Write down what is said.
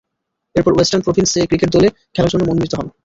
এরপর Western Province এ cricket দলে খেলার জন্য মনোনীত হন।